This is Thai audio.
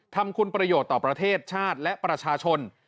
ทำคุณประโยชน์ต่อประเทศชาติและประชาชน